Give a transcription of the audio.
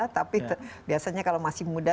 tapi biasanya kalau masih muda